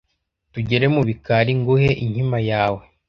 tugere mu bikari nguhe inkima yawe